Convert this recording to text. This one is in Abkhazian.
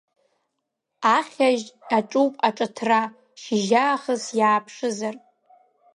Ахьажь аҿуп Аҿыҭра, шьыжьаахыс иааԥшызар…